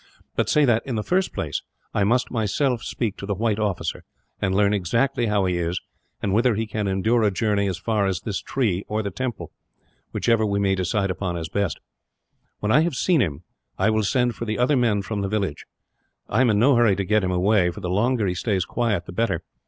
"But say that, in the first place, I must myself speak to the white officer, and learn exactly how he is, and whether he can endure a journey as far as this tree, or the temple whichever we may decide upon as best. When I have seen him, I will send for the other men from the village. I am in no hurry to get him away, for the longer he stays quiet, the better.